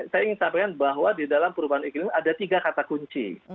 saya ingin sampaikan bahwa di dalam perubahan iklim ada tiga kata kunci